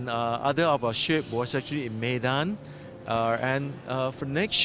dan tahun depan kita akan memiliki destinasi baru di indonesia